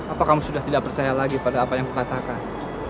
apa kamu sudah tidak percaya lagi pada apa yang kukatakan